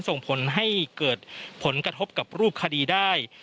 ส่งผลให้เกิดผลกระทบกับรูปคดีได้